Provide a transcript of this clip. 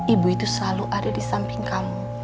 ibu itu selalu ada disamping kamu